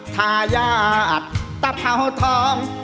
ทายาทตะเผาทอง